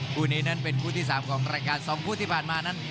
คู่นี้นั้นเป็นคู่ที่๓ของรายการ๒คู่ที่ผ่านมานั้น